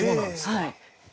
はい。